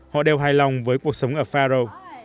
họ đều hài lòng với cuộc sống ở faroe